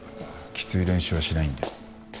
きつい練習はしないんで。